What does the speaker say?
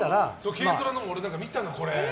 軽トラのも、俺見たな。